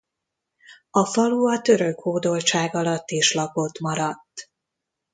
A falu a török hódoltság alatt is lakott maradt.